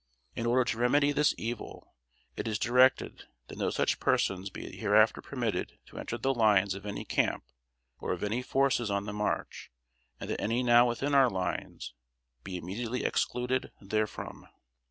In order to remedy this evil, it is directed that no such persons be hereafter permitted to enter the lines of any camp, or of any forces on the march, and that any now within our lines be immediately excluded therefrom."